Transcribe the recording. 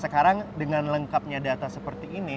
sekarang dengan lengkapnya data seperti ini